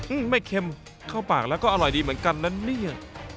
อืมไม่เค็มเข้าปากแล้วก็อร่อยดีเหมือนกันนะเนี่ย